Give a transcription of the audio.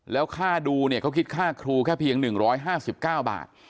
แล้วค่าดูเนี่ยเขาคิดค่าครูแค่เพียง๑๕๙บาท